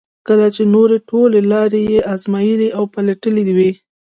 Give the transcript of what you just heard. کله چې نورې ټولې لارې یې ازمایلې او پلټلې وي.